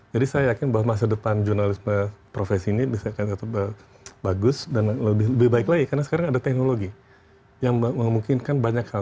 jadi saya yakin bahwa masa depan jurnalisme profesi ini bisa tetap bagus dan lebih baik lagi karena sekarang ada teknologi yang memungkinkan banyak hal